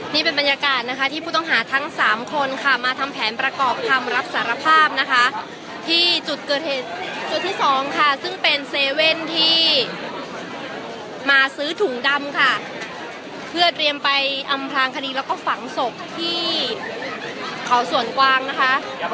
นี่เป็นบรรยากาศนะคะที่ผู้ต้องหาทั้งสามคนค่ะมาทำแผนประกอบคำรับสารภาพนะคะที่จุดเกิดเหตุจุดที่สองค่ะซึ่งเป็นเซเว่นที่มาซื้อถุงดำค่ะเพื่อเตรียมไปอำพลางคดีแล้วก็ฝังศพที่เขาสวนกวางนะคะ